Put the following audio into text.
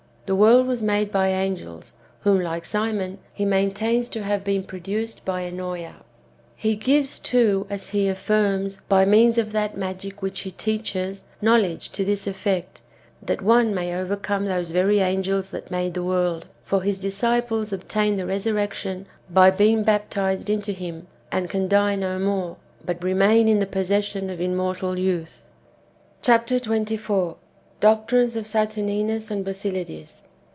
The world was made by angels, whom, like Simon, he maintains to have been produced by Ennoea. He gives, too, as he affirms, by means of that mamc which he teaches, knowledf^e to this effect, that one may overcome those very angels that made the world ; for his disciples obtain the resurrectiori by being baptized into him, and can die no more, but remain in the possession of immortal youth. Chap. xxiv. — Doctrines of Satuminus and BasiUdes.